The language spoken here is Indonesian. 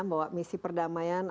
bawa misi perdamaian